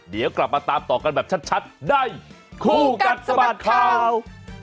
เดี๋ยวกลับมาตามต่อกันแบบชัดในคู่กัดสะบัดข่าว